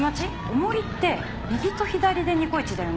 重りって右と左でニコイチだよね？